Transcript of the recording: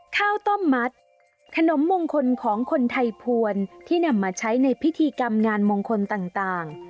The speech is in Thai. ข้าวต้มมัดขนมมงคลของคนไทยพวนที่นำมาใช้ในพิธีกรรมงานมงคลต่าง